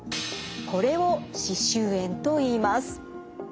これを歯周炎といいます。